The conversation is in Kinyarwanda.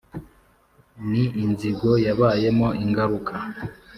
Ni inzigo yabayemo ingaruka !